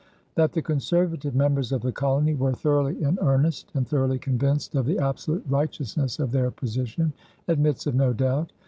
That the conservative members of the colony were thoroughly in earnest and thoroughly convinced of the absolute righteousness of their position, admits of no doubt.